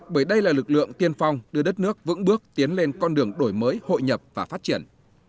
bởi đây là lực lượng tiên phong đưa đất nước vững bước tiến lên con đường đổi mới hội nhập và phát triển